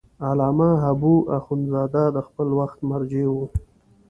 علامه حبو اخند زاده د خپل وخت مرجع و.